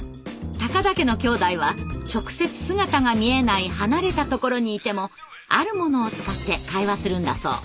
田家のきょうだいは直接姿が見えない離れたところにいてもあるものを使って会話するんだそう。